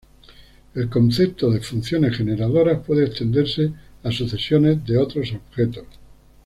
El concepto de funciones generadoras puede extenderse a sucesiones de otros objetos.